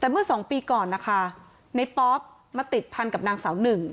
แต่เมื่อสองปีก่อนนะคะในป๊อปมาติดพันกับนางสาวหนึ่ง